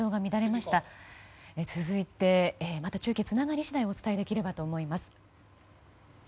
また中継つながり次第お伝えできればと思います。